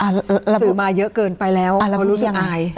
สื่อมาเยอะเกินไปแล้วเพราะรู้สึกอาย